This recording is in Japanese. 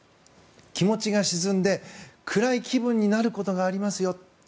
気持ちが沈んで暗い気分になることがありますよ。